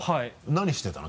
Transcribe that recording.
何してたの？